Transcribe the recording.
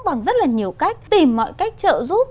bằng rất là nhiều cách tìm mọi cách trợ giúp